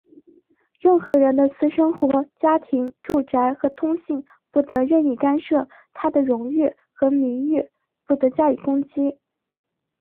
任何人的私生活、家庭、住宅和通信不得任意干涉,他的荣誉和名誉不得加以攻击。